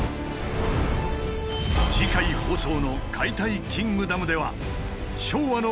次回放送の「解体キングダム」では昭和の